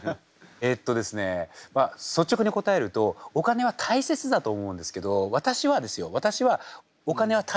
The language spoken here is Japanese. えっとですねまあ率直に答えるとお金は大切だと思うんですけど私はですよ